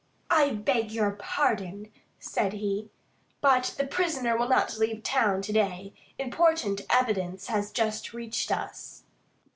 "I beg your pardon," said he, "but the prisoner will not leave town to day. Important evidence has just reached us."